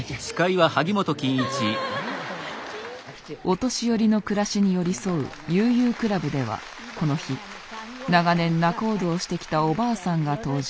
お年寄りの暮らしに寄り添う「悠々くらぶ」ではこの日長年仲人をしてきたおばあさんが登場。